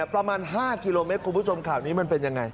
ประมาณ๕กิโลเมตรคุณผู้ชมข่าวนี้มันเป็นยังไง